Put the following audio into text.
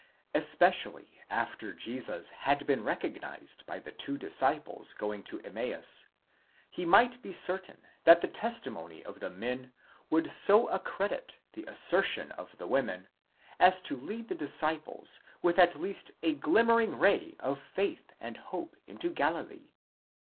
Especially after Jesus had been recognised by the two disciples going to Emmaus, he might be certain that the testimony of the men would so accredit the assertion of the women, as to lead the dis ciples with at least a glimmering ray of faith and hope into Galilee.